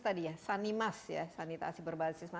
tadi ya sanimas ya sanitasi berbasis